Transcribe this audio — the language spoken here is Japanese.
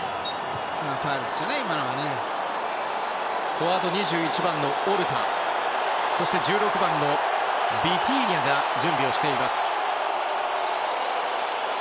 フォワード、２１番のオルタそして、１６番のビティーニャが準備をしています。